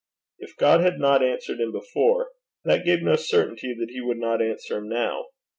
If God had not answered him before, that gave no certainty that he would not answer him now.